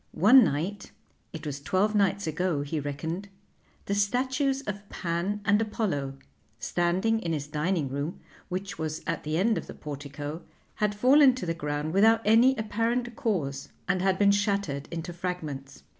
One night it was twelve nights ago he reckoned the statues of Pan and Apollo, standing in his dining room, which was at the end of the portico, had fallen to the ground without any apparent cause and had been shattered into fragments.